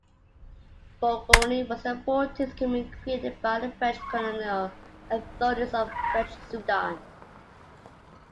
Bougouni was the fourteenth commune created by the French colonial authorities of French Sudan.